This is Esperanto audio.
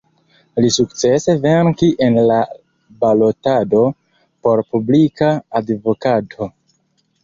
Li sukcese venkis en la balotado por Publika Advokato.